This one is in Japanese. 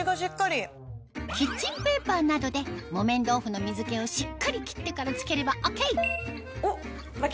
キッチンペーパーなどで木綿豆腐の水気をしっかり切ってから漬ければＯＫおっ麻季